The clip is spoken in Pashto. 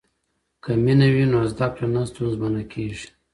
که مینه وي نو زده کړه نه ستونزمن کیږي.